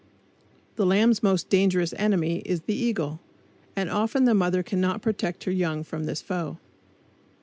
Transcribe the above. The lamb's most dangerous enemy is the eagle, and often the mother cannot protect her young from this foe.